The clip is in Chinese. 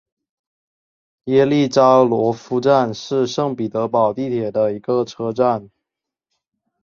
耶利扎罗夫站是圣彼得堡地铁的一个车站。